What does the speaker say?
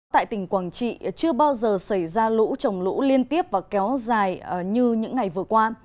tại tỉnh quảng trị chưa bao giờ xảy ra lũ trồng lũ liên tiếp và kéo dài như những ngày vừa qua